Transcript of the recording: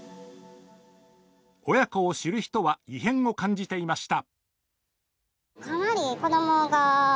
親子を知る人は異変を感じていました。